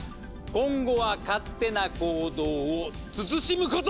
今後は勝手な行動を慎むこと！